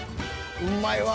うまいわ。